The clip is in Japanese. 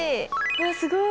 わっすごい。